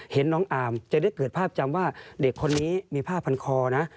เห็นน้องอามจะได้เกิดภาพจำว่าเด็กคนนี้มีผ้าพันคอนะ